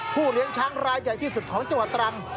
เลี้ยงช้างรายใหญ่ที่สุดของจังหวัดตรัง